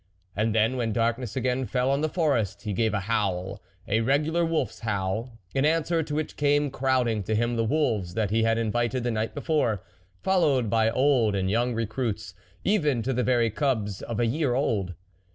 And then, when darkness again fell on the Forest, he gave a howl, a regular wolfs howl, in answer to which came crowding to him the wolves that he had invited the night before, followed by old and young recruits, even to the very cubs of a year old.